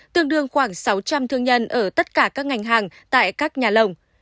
tương đương khoảng sáu trăm linh thương nhân ở tất cả các ngành hàng tại các nhà lồng